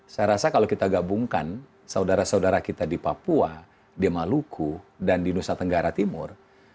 saya rasa kalau kita gabungkan saudara saudara kita di papua di maluku dan di nusa tenggara timur